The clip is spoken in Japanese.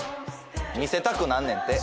見せたくなんねんって。